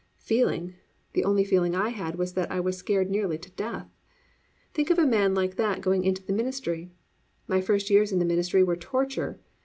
Feeling! The only feeling I had was that I was scared nearly to death. Think of a man like that going into the ministry. My first years in the ministry were torture.